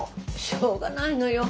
しょうがないのよ。